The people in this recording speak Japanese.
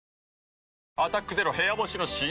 新「アタックＺＥＲＯ部屋干し」解禁‼